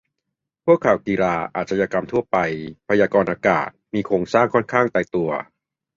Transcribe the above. พวกข่าวกีฬา อาชญากรรมทั่วไป พยากรณ์อากาศ มีโครงสร้างค่อนข้างตายตัว